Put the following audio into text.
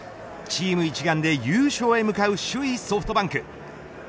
チーム一丸で優勝へ向かう首位ソフトバンク。